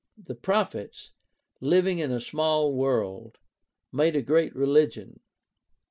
The proph ets, Hving in a small world, made a great religion.